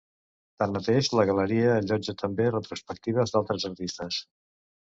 Tanmateix, la galeria allotja també retrospectives d'altres artistes.